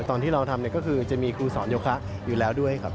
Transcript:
ตอนที่เราทำก็คือจะมีครูสอนโยคะอยู่แล้วด้วยครับ